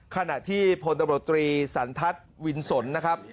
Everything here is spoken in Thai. ขณะที่พลตำรวจตรีสันทัศน์วินสนนะครับ